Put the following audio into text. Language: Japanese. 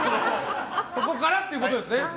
そこからということですね。